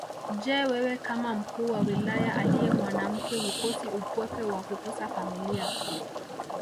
Je wewe kama mkuu wa Wilaya aliye mwanamke hukosi upweke wa kukosa familia